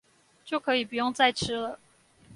就可以不用再吃了